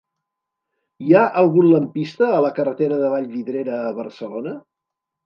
Hi ha algun lampista a la carretera de Vallvidrera a Barcelona?